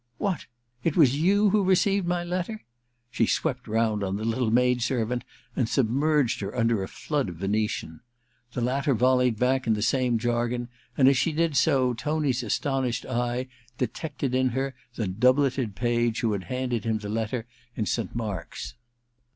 * What ! It was you who received my letter ?* She swept round on the litde maid servant and submerged her under a flood of Venetian. The latter volleyed back in the same jargon, and as she did so, Tony's astonished eye detected in her the doubleted page who had handed him the letter in Saint Mark's.